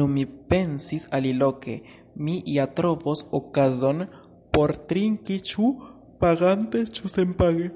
Nu mi pensis, aliloke mi ja trovos okazon por trinki, ĉu pagante ĉu senpage.